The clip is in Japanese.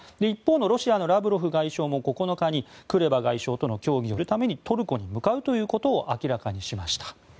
一方のロシアのラブロフ外相も９日にクレバ外相との協議をするためにトルコに向かうことを明らかにしました。